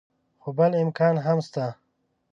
خو بل امکان هم شته.